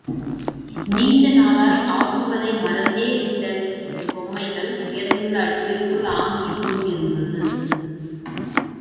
நீண்ட நாளாய் ஆக்குவதை மறந்தே விட்ட கொம்மைகள் உயர்ந்துள்ள அடுப்பிற்குள் ஆம்பி பூத்திருக்கிறது.